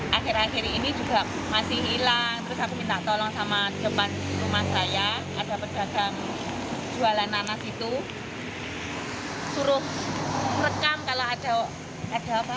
akhir akhir ini juga masih hilang terus aku minta tolong sama jembat rumah saya ada pedagang jualan nanas itu